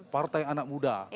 partai anak muda